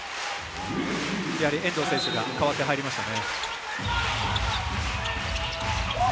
やはり遠藤選手が代わって入りました。